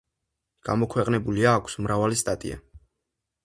გამოქვეყნებული აქვს მრავალი სტატია.